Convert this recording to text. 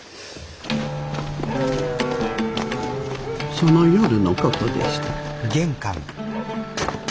その夜の事でした。